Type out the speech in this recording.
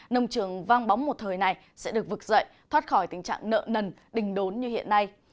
nông trường vang bóng một thời này sẽ được vực dậy thoát khỏi tình trạng nợ nần đình đốn như hiện nay